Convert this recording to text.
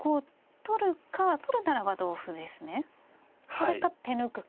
それか手抜くか。